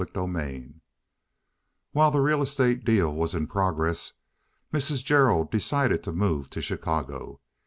CHAPTER L While the real estate deal was in progress Mrs. Gerald decided to move to Chicago.